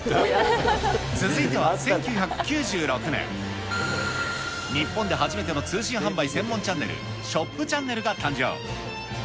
続いては１９９６年、日本で初めての通信販売専門チャンネル、ショップチャンネルが誕生。